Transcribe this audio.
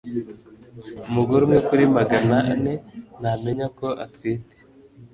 Umugore umwe kuri magana ane ntamenya ko atwite